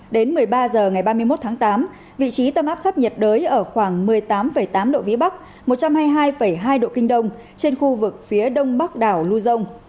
đến một mươi ba h ngày ba mươi một tháng tám vị trí tâm áp thấp nhiệt đới ở khoảng một mươi tám tám độ vĩ bắc một trăm hai mươi hai hai độ kinh đông trên khu vực phía đông bắc đảo luzon